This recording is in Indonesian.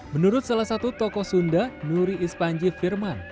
menurut salah satu tokoh sunda nuri ispanji firman